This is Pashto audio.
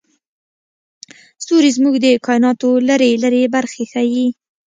ستوري زموږ د کایناتو لرې لرې برخې ښيي.